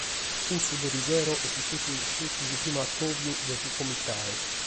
Cussu de erisero est istètiu isceti su primu addòbiu de su comitadu.